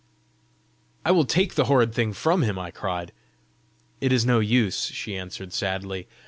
"I will take the horrid thing from him!" I cried. "It is no use," she answered sadly.